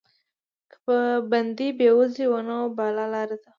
که به بندي بېوزلی و نو بله لاره وه.